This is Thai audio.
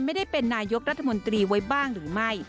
ไม่ได้เป็นนายกรัฐมนตรีไว้บ้างหรือไม่